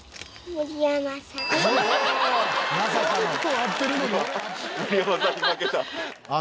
まさかの。